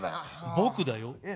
僕だよ。